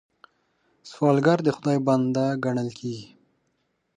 سوالګر د خدای بنده ګڼل کېږي